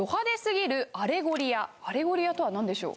アレゴリアとは何でしょう？